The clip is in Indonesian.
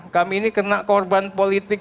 kami ini kena korban politik